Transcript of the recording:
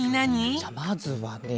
じゃあまずはね